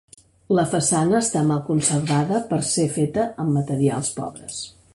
La façana està mal conservada per ser feta amb materials pobres.